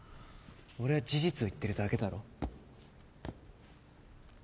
俺は事実を言ってるだけだろ。